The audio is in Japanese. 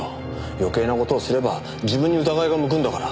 余計な事をすれば自分に疑いが向くんだから。